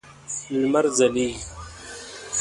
لمر ځلیږی